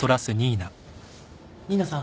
・・新名さん。